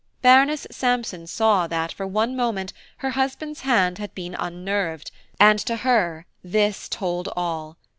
Baroness Sampson saw that, for one moment, her husband's hand had been unnerved, and to her this told all.